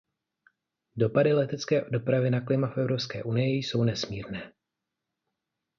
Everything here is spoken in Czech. Dopady letecké dopravy na klima v Evropské unii jsou nesmírné.